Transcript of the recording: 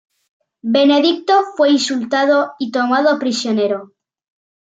Benedicto fue insultado y tomado prisionero.